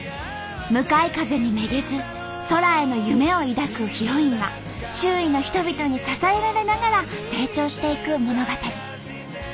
向かい風にめげず空への夢を抱くヒロインが周囲の人々に支えられながら成長していく物語。